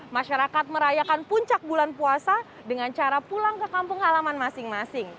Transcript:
masyarakat merayakan puncak bulan puasa dengan cara pulang ke kampung halaman masing masing